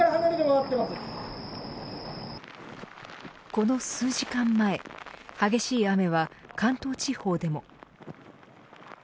この数時間前激しい雨は関東地方でも。